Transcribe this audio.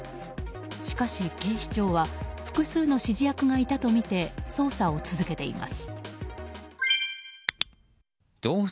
しかし、警視庁は複数の指示役がいたとみて捜査を続けています。